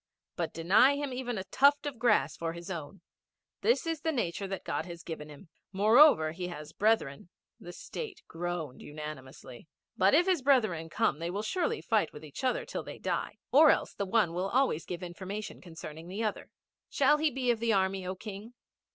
But deny him even a tuft of grass for his own. This is the nature that God has given him. Moreover he has brethren ' The State groaned unanimously. 'But if his brethren come, they will surely fight with each other till they die; or else the one will always give information concerning the other. Shall he be of thy Army, O King?